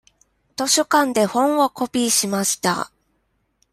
図書館で本をコピーしました。